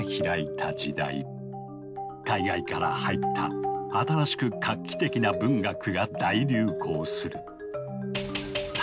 海外から入った新しく画期的な文学が大流行する。